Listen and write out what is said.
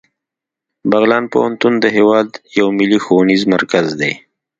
بغلان پوهنتون د هیواد یو ملي ښوونیز مرکز دی